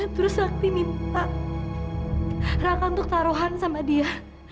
terus sakti minta raka untuk taruhan sama dia